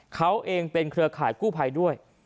เขาเองเป็นเครือข่ายกู้ภัยด้วย